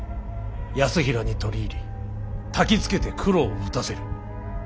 泰衡に取り入りたきつけて九郎を討たせる。